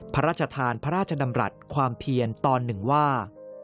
พระราชทานพระราชดำรัฐความเพียรตอนหนึ่งว่า